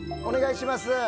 お願いします